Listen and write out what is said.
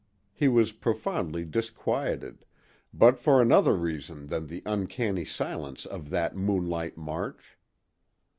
He was profoundly disquieted, but for another reason than the uncanny silence of that moonlight march.